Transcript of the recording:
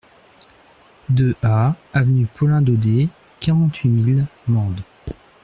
deux A avenue Paulin Daudé, quarante-huit mille Mende